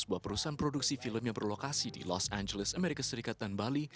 sebuah perusahaan produksi film yang berlokasi di los angeles amerika serikat dan bali